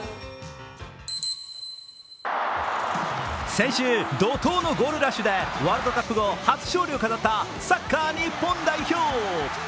先週、怒とうのゴールラッシュでワールドカップ後初勝利を飾ったサッカー日本代表。